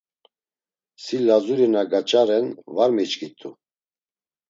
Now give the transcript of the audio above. Si Lazuri na gaç̌aren var miçkit̆u.